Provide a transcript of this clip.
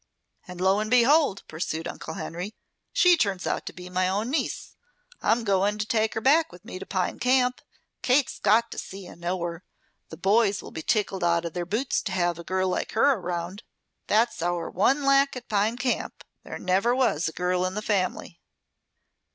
"And lo and behold," pursued Uncle Henry, "she turns out to be my own niece. I'm going to take her back with me to Pine Camp. Kate's got to see and know her. The boys will be tickled out of their boots to have a girl like her around. That's our one lack at Pine Camp. There never was a girl in the family.